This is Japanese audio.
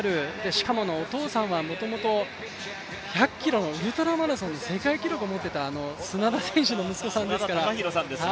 しかもお父さんはもともと１００ｋｍのウルトラマラソンの世界記録を持っていた砂田選手の息子さんですから。